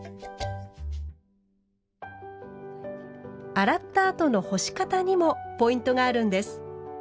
洗ったあとの干し方にもポイントがあるんです。